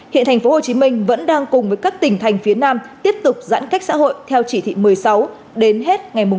hiện tp hcm vẫn đang cùng với các tỉnh thành phía nam tiếp tục giãn cách xã hội theo chỉ thị một mươi sáu đến hết ngày một mươi